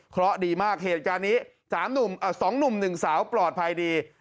เพราะดีมากเหตุการณ์นี้๓หนุ่ม๑สาวปลอดภัยดี